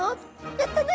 やったよ。